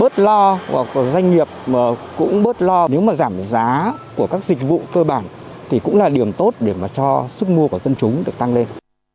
các doanh nghiệp bớt lo nếu mà giảm giá của các dịch vụ cơ bản thì cũng là điểm tốt để cho sức mua của dân chúng được tăng lên